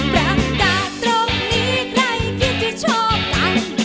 ประกาศตรงนี้ใครคิดจะชอบกัน